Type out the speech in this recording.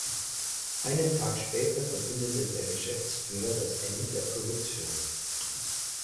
Einen Tag später verkündete der Geschäftsführer das Ende der Produktion.